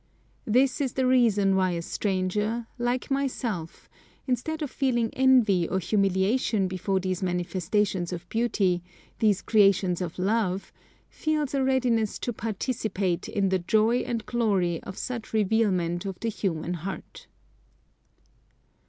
This is the reason why a stranger, like myself, instead of feeling envy or humiliation before these manifestations of beauty, these creations of love, feels a readiness to participate in the joy and glory of such revealment of the human heart.